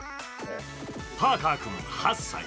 パーカー君、８歳。